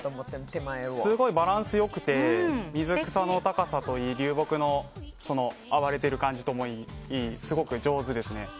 すごいバランスが良くて水草の高さといい流木の暴れてる感じといいすごく上手ですね。